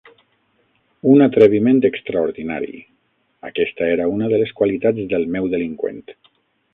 Un atreviment extraordinari: aquesta era una de les qualitats del meu delinqüent.